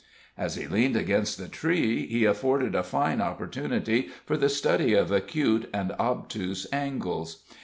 As he leaned against the tree he afforded a fine opportunity for the study of acute and obtuse angles.